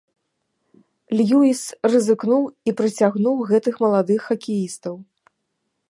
Льюіс рызыкнуў і прыцягнуў гэтых маладых хакеістаў.